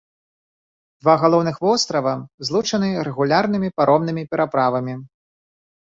Два галоўных вострава злучаны рэгулярнымі паромнымі пераправамі.